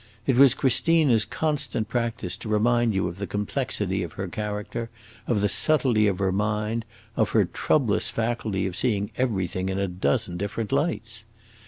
It was Christina's constant practice to remind you of the complexity of her character, of the subtlety of her mind, of her troublous faculty of seeing everything in a dozen different lights.